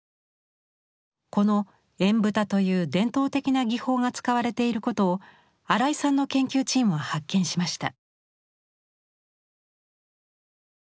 この「縁蓋」という伝統的な技法が使われていることを荒井さんの研究チームは発見しました。